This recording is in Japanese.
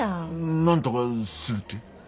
なんとかするって？